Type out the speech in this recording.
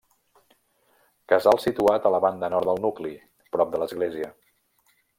Casal situat a la banda nord del nucli, prop de l'església.